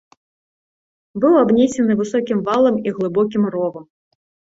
Быў абнесены высокім валам і глыбокім ровам.